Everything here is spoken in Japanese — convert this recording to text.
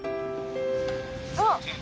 あっ！